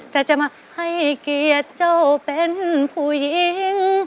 แต่จะมาให้เกียรติเจ้าเป็นผู้หญิง